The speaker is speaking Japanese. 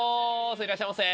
いらっしゃいませ。